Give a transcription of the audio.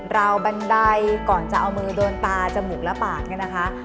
ราวบันไดก่อนจะเอามือโดนตาจมูกและปาก